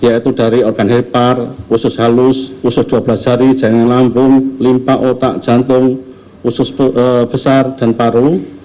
yaitu dari organ hepar usus halus usus dua belas jari jaringan lambung limpa otak jantung usus besar dan paru